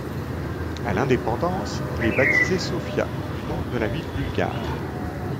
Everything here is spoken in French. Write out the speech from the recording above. À l'indépendance, il est baptisé Sofia, du nom de la ville bulgare.